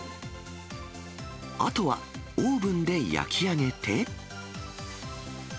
あとはオーブンで焼き上げて。